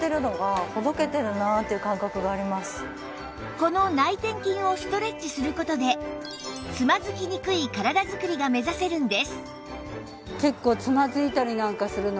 この内転筋をストレッチする事でつまずきにくい体作りが目指せるんです